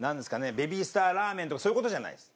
「ベビースターラーメン」とかそういう事じゃないです。